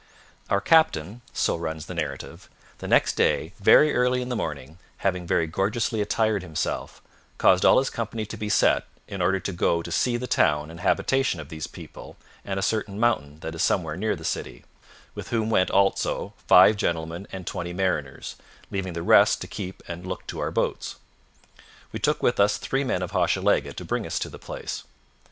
Our captain [so runs the narrative], the next day very early in the morning, having very gorgeously attired himself, caused all his company to be set in order to go to see the town and habitation of these people, and a certain mountain that is somewhere near the city; with whom went also five gentlemen and twenty mariners, leaving the rest to keep and look to our boats. We took with us three men of Hochelaga to bring us to the place.